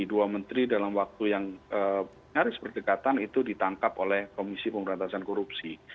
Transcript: dua menteri dalam waktu yang nyaris berdekatan itu ditangkap oleh komisi pemberantasan korupsi